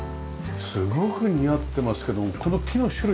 すごく似合ってますけどもこの木の種類は？